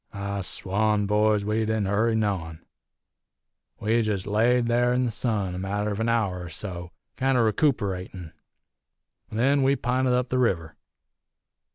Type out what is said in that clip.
"I swan, boys, we didn't hurry noane. We jest laid there in the sun a matter of an hour er so, kinder recooperatin'. Then we pinted up river.